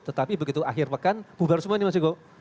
tetapi begitu akhir pekan bubar semua ini mas ego